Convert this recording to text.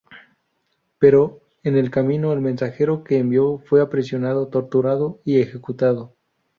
Pero en el camino, el mensajero que envió fue aprisionado, torturado y ejecutado.